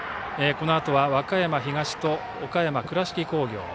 このあとは和歌山東と岡山の倉敷工業。